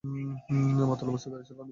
মাতাল অবস্থায় গাড়ি চালানো।